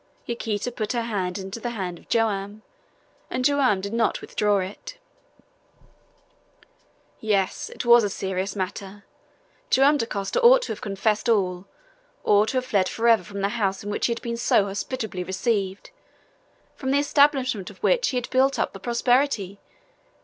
Yaquita put her hand into the hand of Joam, and Joam did not withdraw it. Yes! It was a serious matter! Joam Dacosta ought to have confessed all, or to have fled forever from the house in which he had been so hospitably received, from the establishment of which he had built up the prosperity!